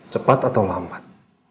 cepat atau lambat